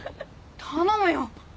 頼むよ！